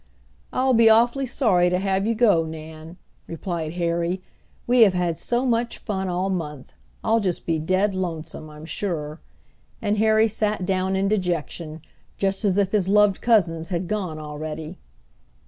"I'll be awfully sorry to have you go, Nan," replied Harry. "We have had so much fun all month. I'll just be dead lonesome, I'm sure," and Harry sat down in dejection, just as if his loved cousins had gone already.